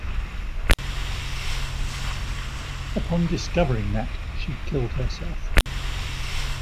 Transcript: Upon discovering that, she killed herself.